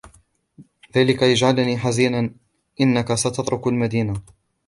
ذلك يجعلني حزينا أنك ستترك المدينة.